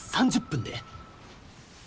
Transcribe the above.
３０分で。